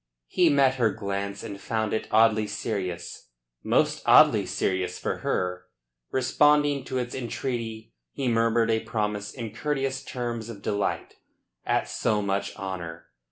He met her glance, and found it oddly serious most oddly serious for her. Responding to its entreaty, he murmured a promise in courteous terms of delight at so much honour.